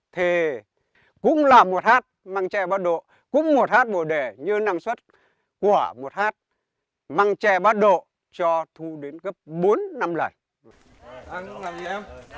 thì cũng là một hát măng tre bắt độ cũng một hát bồ đề như năng suất của một hát măng tre bắt độ cho thu đến gấp bốn năm lại